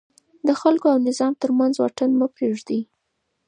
د خلکو او نظام ترمنځ واټن مه پرېږدئ.